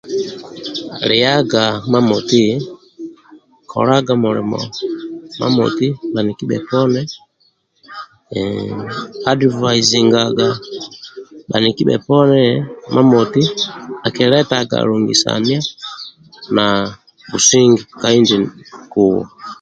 Liaga mamati kolaga mulimo mamoti bhaniki bheponi advisingaga bhanike bheponi mamoti akiletaga lungisni na businge ka inji kuwo